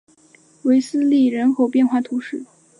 韦斯利人口变化图示